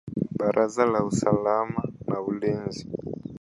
Baraza la usalama na ulinzi